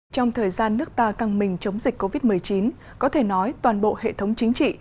trong thời gian nước ta căng mình chống dịch covid một mươi chín có thể nói toàn bộ hệ thống chính trị